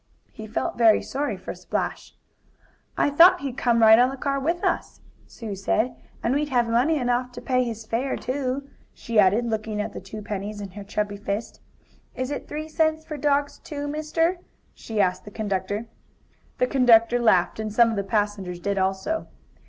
He felt very sorry for Splash. "I thought he'd come right on the car with us," Sue said. "And we'd have money enough to pay his fare, too," she added, looking at the two pennies in her chubby fist. "Is it three cents for dogs, too, mister?" she asked the conductor. The conductor laughed, and some of the passengers did also.